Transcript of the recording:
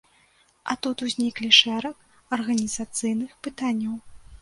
А тут узніклі шэраг арганізацыйных пытанняў.